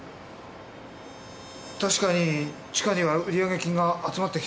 確かに地下には売り上げ金が集まってきてます。